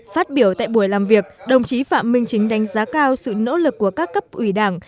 phát biểu tại buổi làm việc đồng chí phạm minh chính đánh giá cao sự nỗ lực của các cấp ủy đảng